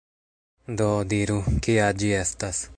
Do, diru, kia ĝi estas?